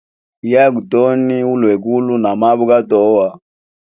Yaga toni ulwegulu na mabwe gatowa.